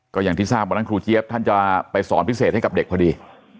ก็อย่างที่ทราบวันนั้นครูเจี๊ยบท่านจะไปสอนพิเศษให้กับเด็กพอดี